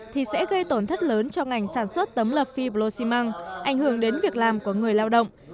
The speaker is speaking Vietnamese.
thì sẽ gây tổn thất lớn cho ngành sản xuất tấm lợp fibro ximang ảnh hưởng đến việc làm của người lao động